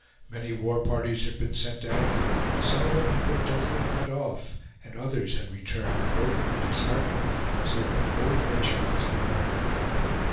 Many war parties had been sent out; some of them had been totally cut off, and others had returned broken and disheartened, so that the whole nation was in mourning.